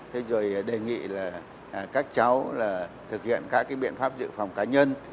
thế rồi đề nghị là các cháu là thực hiện các cái biện pháp dự phòng cá nhân